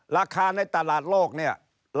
ราคาในตลาดโลกเนี่ย